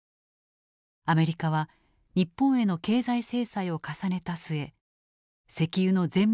アメリカは日本への経済制裁を重ねた末石油の全面禁輸に踏み切った。